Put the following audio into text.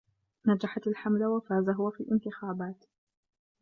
نجحت الحملة وفاز هو في الإنتخابات.